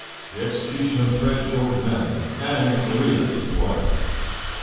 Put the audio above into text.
THE EXECUTION OF FRED. GEO. MANNING, AND MARIA, HIS WIFE.